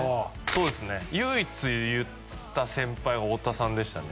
そうですね唯一言った先輩太田さんでしたね